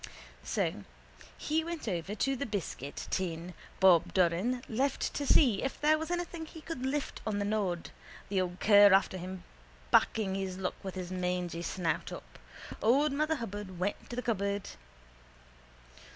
_ So he went over to the biscuit tin Bob Doran left to see if there was anything he could lift on the nod, the old cur after him backing his luck with his mangy snout up. Old Mother Hubbard went to the cupboard.